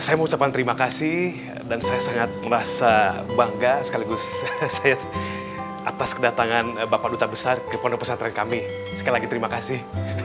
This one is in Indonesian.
saya mengucapkan terima kasih dan saya sangat merasa bangga sekaligus saya atas kedatangan bapak duta besar ke pondok pesantren kami sekali lagi terima kasih